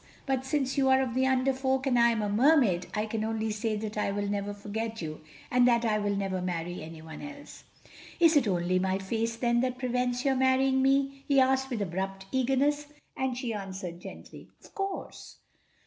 But since you are of the Under Folk and I am a Mermaid, I can only say that I will never forget you, and that I will never marry anyone else." "Is it only my face then that prevents your marrying me?" he asked with abrupt eagerness, and she answered gently, "Of course."